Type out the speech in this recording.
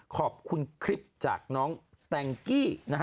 ขอบคุณคลิปจากน้องแต่งกี้